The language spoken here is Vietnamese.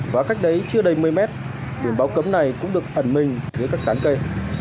và cách đấy chưa đầy một mươi mét biển báo cấm này cũng được ẩn mình dưới các tán cây